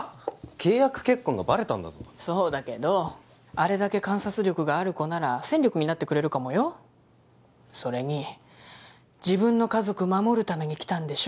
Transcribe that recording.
契約結婚がバレたんだぞそうだけどあれだけ観察力がある子なら戦力になってくれるかもよそれに自分の家族守るために来たんでしょ？